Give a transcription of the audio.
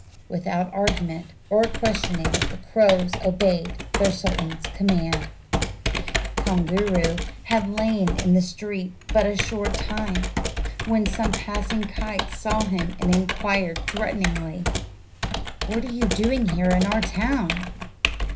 Without argument or questioning the crows obeyed their sultan's command. Koongooroo had lain in the street but a short time, when some passing kites saw him and inquired threateningly, "What are you doing here in our town?"